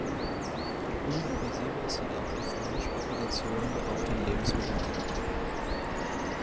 Unübersehbar sind auch die Finanzspekulationen auf den Lebensmittelmärkten.